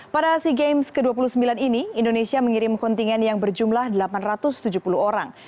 pada sea games ke dua puluh sembilan ini indonesia mengirim kontingen yang berjumlah delapan ratus tujuh puluh orang